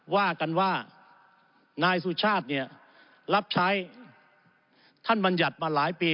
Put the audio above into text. ว่ากันว่านายสุชาติเนี่ยรับใช้ท่านบรรยัติมาหลายปี